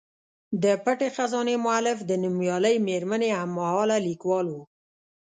د پټې خزانې مولف د نومیالۍ میرمنې هم مهاله لیکوال و.